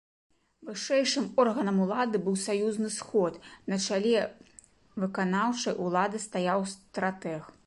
Вышэйшым органам улады быў саюзны сход, на чале выканаўчай улады стаяў стратэг.